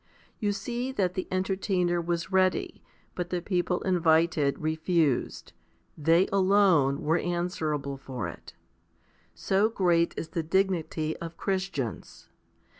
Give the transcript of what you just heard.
l You see that the entertainer was ready, but the people invited refused. They alone were answerable for it. So great is the dignity of Christians.